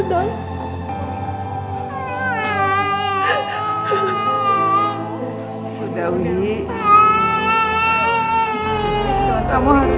kamu yang sabar